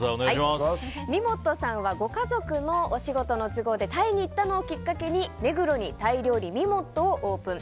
みもっとさんはご家族のお仕事の都合でタイに行ったのをきっかけに目黒にタイ料理みもっとをオープン。